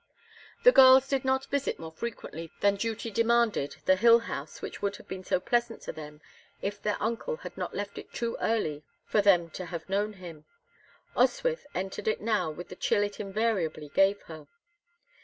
The girls did not visit more frequently than duty demanded the hill house which would have been so pleasant to them if their uncle had not left it too early for them to have known him. Oswyth entered it now with the chill it invariably gave her.